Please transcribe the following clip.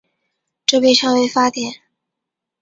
这被称为发电。